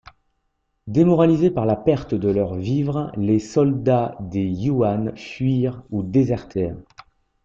Démoralisés par la perte de leurs vivres, les soldats des Yuan fuirent ou désertèrent.